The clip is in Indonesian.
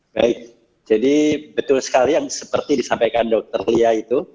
baik jadi betul sekali yang seperti disampaikan dokter lia itu